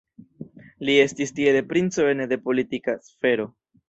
Li estis tiele princo ene de politika sfero.